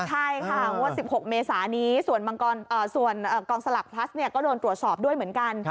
ใช่ค่ะงวด๑๖เมษานี้ส่วนกองสลักพลัสก็โดนตรวจสอบด้วยเหมือนกัน